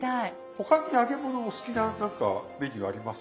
他に揚げ物お好きな何かメニューあります？